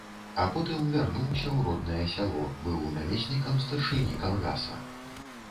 А потым вярнуўся ў роднае сяло, быў намеснікам старшыні калгаса.